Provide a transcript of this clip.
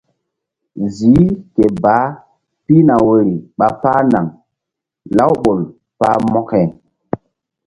Ziih ke baah pihna woyri ɓa páh naŋ lawɓol pah mokȩ.